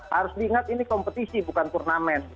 harus diingat ini kompetisi bukan turnamen